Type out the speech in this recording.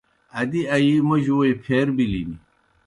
ادِی آیِی موْجیْ ووئی پھیر بِلِن۔